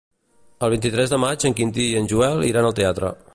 El vint-i-tres de maig en Quintí i en Joel iran al teatre.